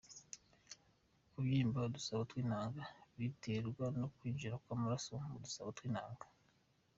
Kubyimba udusabo tw’intanga biterwa no kwinjira kw’amara mu dusabo tw’intanga.